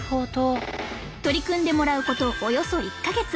取り組んでもらうことおよそ１か月。